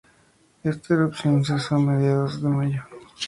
Está erupción cesó a mediados de mayo.